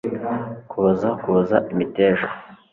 kuboza kuboza imiteja